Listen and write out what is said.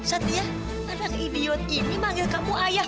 satri ya anak idiot ini manggil kamu ayah